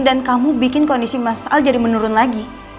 dan kamu bikin kondisi mas al jadi menurun lagi